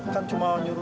kan cuma nyuruh